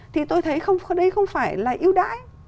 thì tôi thấy đây không phải là ưu đãi